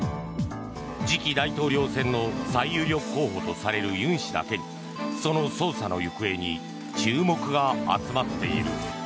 次期大統領選の最有力候補とされるユン氏だけにその捜査の行方に注目が集まっている。